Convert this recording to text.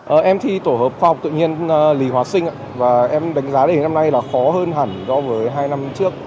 em thi tổ hợp khoa học tự nhiên lì hóa sinh và em đánh giá đề năm nay là khó hơn hẳn đối với hai năm trước